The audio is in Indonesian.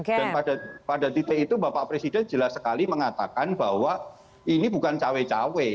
pada titik itu bapak presiden jelas sekali mengatakan bahwa ini bukan cawe cawe